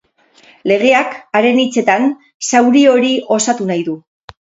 Legeak, haren hitzetan, zauri hori osatu nahi du.